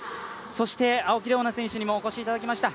そして、青木玲緒樹選手にもお越しいただきました。